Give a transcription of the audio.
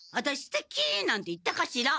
「ステキ！」なんて言ったかしら？